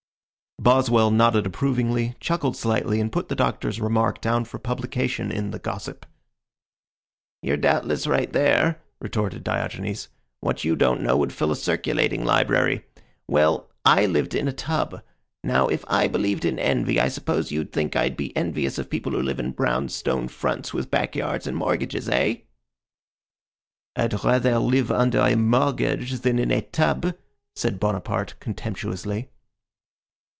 Boswell nodded approvingly, chuckled slightly, and put the Doctor's remark down for publication in The Gossip. "You're doubtless right, there," retorted Diogenes. "What you don't know would fill a circulating library. Well I lived in a tub. Now, if I believed in envy, I suppose you think I'd be envious of people who live in brownstone fronts with back yards and mortgages, eh?" "I'd rather live under a mortgage than in a tub," said Bonaparte, contemptuously.